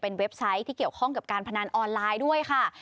เว็บไซต์ที่เกี่ยวข้องกับการพนันออนไลน์ด้วยค่ะ